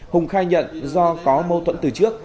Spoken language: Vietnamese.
hùng khai nhận do có mâu thuẫn từ trước